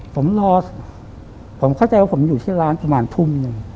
ผมรอผมเข้าใจว่าผมอยู่ที่ร้านประมาณทุ่มหนึ่ง